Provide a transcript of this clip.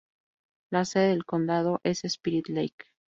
La sede del condado es Spirit Lake.